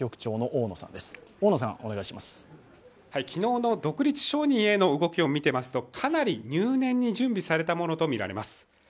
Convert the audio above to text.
昨日の独立承認への動きを見ていますとかなり入念に準備されたものとみられます。